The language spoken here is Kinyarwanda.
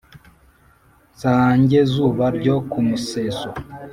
nsange zuba ryo ku museso